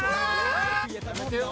やめてよ。